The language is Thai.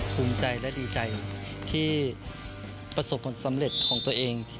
ภูมิใจและดีใจที่ประสบผลสำเร็จของตัวเอง